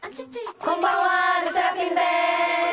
こんばんは。